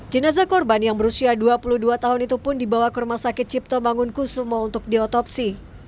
jenazah korban yang berusia dua puluh dua tahun itu pun dibawa ke rumah sakit cipto bangun kusumo untuk diotopsi